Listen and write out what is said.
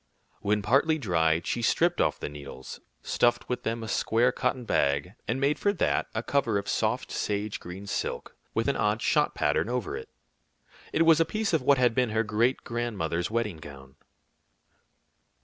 When partly dried, she stripped off the needles, stuffed with them a square cotton bag, and made for that a cover of soft sage green silk, with an odd shot pattern over it. It was a piece of what had been her great grandmother's wedding gown.